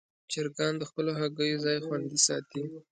چرګان د خپلو هګیو ځای خوندي ساتي.